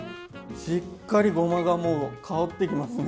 しっかりごまがもう香ってきますね